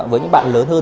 với những bạn lớn hơn